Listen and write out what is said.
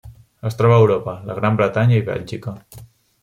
Es troba a Europa: la Gran Bretanya i Bèlgica.